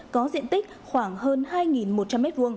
có diện tích khoảng hơn hai một trăm linh m hai